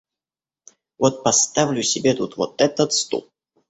Вот поставлю себе тут вот этот стул.